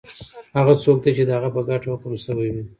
هغه څوک دی چی د هغه په ګټه حکم سوی وی؟